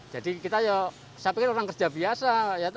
jadi kita ya saya pikir orang kerja biasa